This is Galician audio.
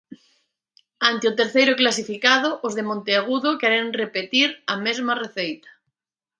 Ante o terceiro clasificado, os de Monteagudo queren repetir a mesma receita.